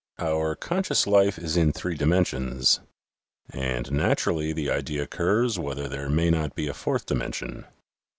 Our conscious life is in three dimensions, and natur ally the idea occurs whether there may not be a fourth dimension.